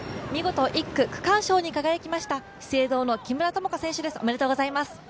１区、区間賞に輝きました資生堂の木村友香選手です。